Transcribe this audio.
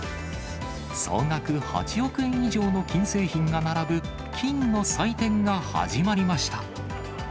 総額８億円以上の金製品が並ぶ金の祭典が始まりました。